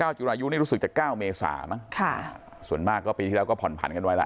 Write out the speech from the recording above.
จุรายุนี่รู้สึกจะเก้าเมษามั้งค่ะส่วนมากก็ปีที่แล้วก็ผ่อนผันกันไว้ล่ะ